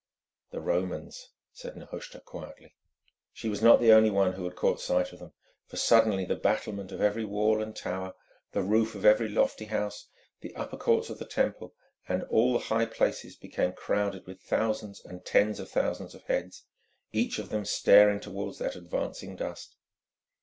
"The Romans!" said Nehushta quietly. She was not the only one who had caught sight of them, for suddenly the battlement of every wall and tower, the roof of every lofty house, the upper courts of the Temple, and all high places became crowded with thousands and tens of thousands of heads, each of them staring towards that advancing dust.